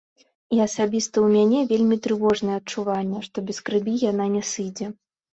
І асабіста ў мяне вельмі трывожнае адчуванне, што без крыві яна не сыдзе.